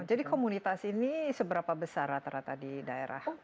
jadi komunitas ini seberapa besar rata rata di daerah